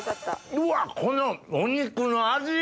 うわこのお肉の味！